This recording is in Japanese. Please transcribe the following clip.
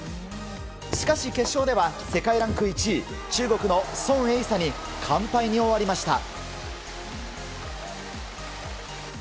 しかし決勝では世界ランク１位中国のソン・エイサに完敗に終わりました。